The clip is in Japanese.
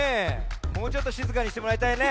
もうちょっとしずかにしてもらいたいね。